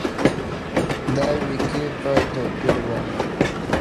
دا وییکې به توپیر ونه مومي.